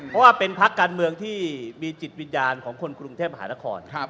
เพราะว่าเป็นพักการเมืองที่มีจิตวิญญาณของคนกรุงเทพมหานคร